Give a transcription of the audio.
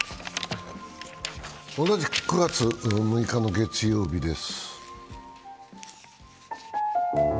同じく９月６日の月曜日です。